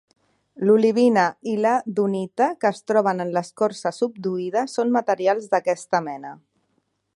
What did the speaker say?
L'olivina i la dunita, que es troben en l'escorça subduïda, són materials d'aquesta mena.